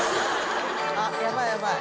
あっやばいやばい。